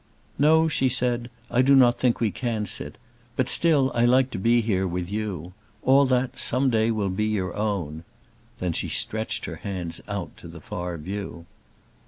"No," she said, "I do not think we can sit. But still I like to be here with you. All that some day will be your own." Then she stretched her hands out to the far view.